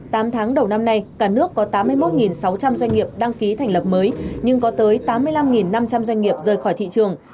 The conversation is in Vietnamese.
tám tháng đầu năm nay cả nước có tám mươi một sáu trăm linh doanh nghiệp đăng ký thành lập mới nhưng có tới tám mươi năm năm trăm linh doanh nghiệp rời khỏi thị trường